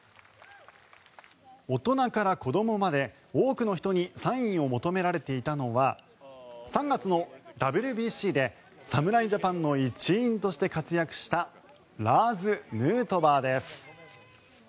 大人から子どもまで多くの人にサインを求められていたのは３月のＷＢＣで侍ジャパンの一員として活躍したラーズ・ヌートバーです。